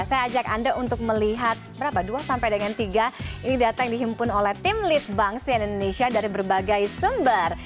saya ajak anda untuk melihat berapa dua sampai dengan tiga ini data yang dihimpun oleh tim lead bank sian indonesia dari berbagai sumber